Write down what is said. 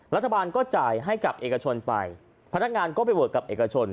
รัฐบาลก็จ่ายให้กับเอกชนไปพนักงานก็ไปบวกกับเอกชน